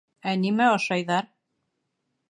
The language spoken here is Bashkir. — Ә нимә ашайҙар?